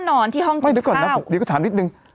นอนที่ห้องกินข้าวเดี๋ยวก็ถามนิดนึง